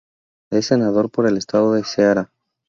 Es senador por el estado de Ceará.